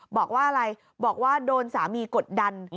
บอกว่าอะไรบอกว่าโดนสามีกดดัน